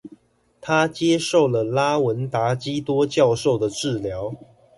他接受了拉文達笈多教授的治療。